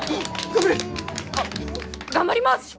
頑張ります！